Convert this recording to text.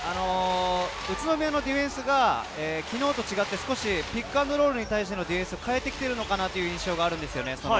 宇都宮のディフェンスが昨日と違って、少しピックアンドロールに対してのディフェンスを変えてきているのかなという印象があります。